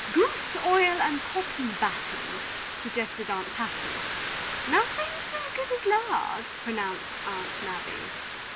"Goose oil and cotton batting," suggested Aunt Patty. "Nothing so good as lard," pronounced Aunt Nabby.